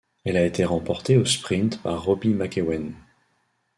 Elle a été remportée au sprint par Robbie McEwen.